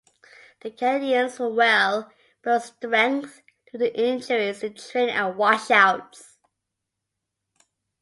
The Canadians were well below strength due to injuries in training and washouts.